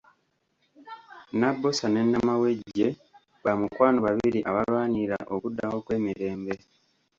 Nabbosa ne Namawejje ba mukwano babiri abalwanirira okuddawo kw’emirembe